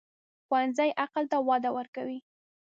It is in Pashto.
ښوونځی عقل ته وده ورکوي